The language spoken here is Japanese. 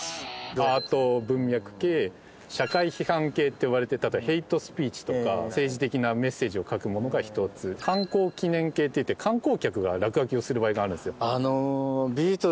アート文脈系社会批判系と呼ばれる例えばヘイトスピーチとか政治的なメッセージを書くものが１つ観光記念系といって観光客が落書きをする場合があるんですよ。